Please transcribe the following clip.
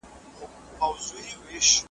چي اسمان ورته نجات نه دی لیکلی .